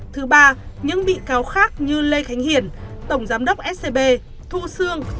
thứ ba những bị cáo khác như lê khánh hiền tổng giám đốc scb thu sương